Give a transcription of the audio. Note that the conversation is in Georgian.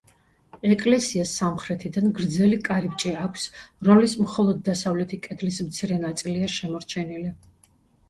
ეკლესიას სამხრეთიდან გრძელი კარიბჭე აქვს, რომლის მხოლოდ დასავლეთი კედლის მცირე ნაწილია შემორჩენილი.